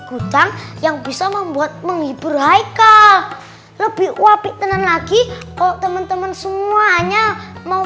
gudang yang bisa membuat menghibur haikal lebih wapik tenen lagi kok temen temen semuanya mau